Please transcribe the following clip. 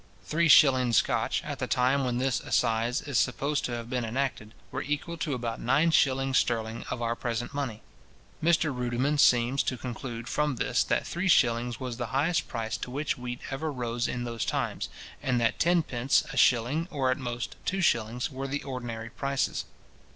Three shillings Scotch, at the time when this assize is supposed to have been enacted, were equal to about nine shillings sterling of our present money. Mr Ruddiman seems {See his Preface to Anderson's Diplomata Scotiae.} to conclude from this, that three shillings was the highest price to which wheat ever rose in those times, and that tenpence, a shilling, or at most two shillings, were the ordinary prices.